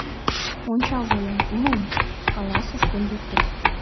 — Ончалза-ян, лум! — каласыш кондуктор.